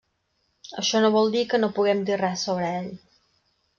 Això no vol dir que no puguem dir res sobre ell.